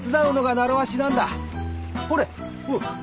ほれ。